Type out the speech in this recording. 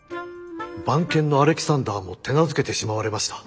番犬のアレキサンダーも手なずけてしまわれました。